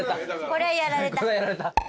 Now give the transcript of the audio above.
これはやられた。